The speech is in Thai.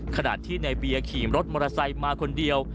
ขณะที่ในเบียร์ขี่รถมอเตอร์ไซค์มาคนเดียว